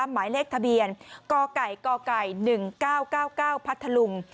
หมายเลขทะเบียนกก๑๙๙๙พัทธลุง